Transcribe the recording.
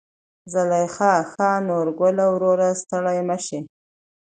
زليخا: ښا نورګله وروره ستړى مشې.